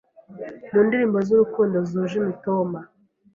mu ndirimbo z’urukundo zuje imitoma